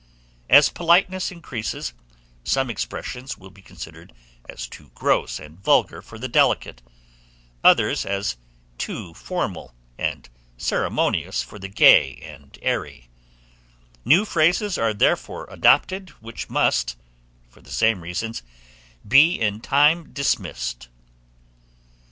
As politeness increases, some expressions will be considered as too gross and vulgar for the delicate, others as too formal and ceremonious for the gay and airy; new phrases are therefore adopted, which must for the same reasons be in time dismissed.